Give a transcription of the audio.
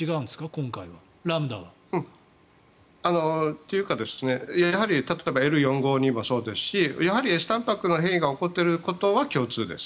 今回のは。というか、やはり例えばＬ４５２ＲもそうですしやはりＳたんぱくの変異が起こっていることは共通です。